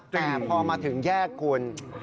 แต่พอมาถึงแยกคุณ